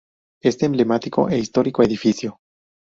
este emblemático e histórico edificio